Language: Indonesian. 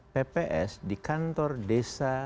pps di kantor desa